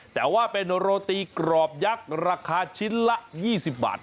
แต่ว่าเป็นโรตีกรอบยักษ์ราคาชิ้นละ๒๐บาท